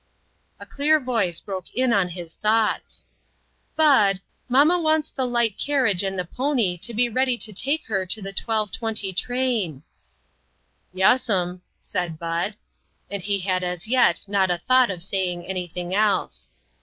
A clear voice broke in on his thoughts :" Bud, mamma wants the light carriage and the pony to be ready to take her to the 12.20 train." " Yes'm," said Bud, and he had as yet not a thought of saying anything else.